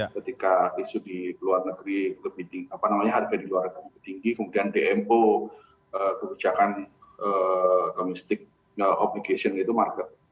ketika isu di luar negeri lebih tinggi apa namanya harga di luar negeri lebih tinggi kemudian dmo kebijakan komisik obligation itu market